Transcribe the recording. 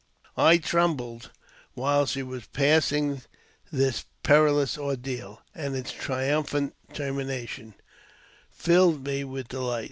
I trembled while she was passing this perilous ordeal, and its triumphant termination filled me with delight.